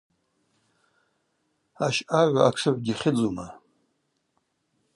Ащъагӏв атшыгӏв дихьыдзума.